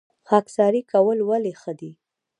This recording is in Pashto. خاکساري کول ولې ښه دي؟